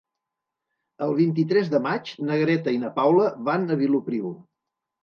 El vint-i-tres de maig na Greta i na Paula van a Vilopriu.